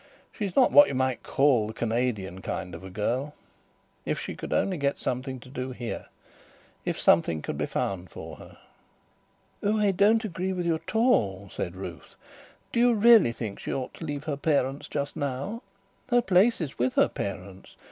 She's not what you may call the Canadian kind of girl. If she could only get something to do here.... If something could be found for her." "Oh, I don't agree with you at all," said Ruth. "Do you really think she ought to leave her parents just now? Her place is with her parents.